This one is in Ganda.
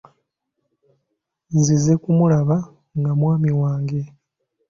Nzize kumulaba nga mwami wange.